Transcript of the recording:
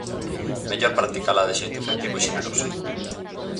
Mellor practicala de xeito efectivo e xeneroso.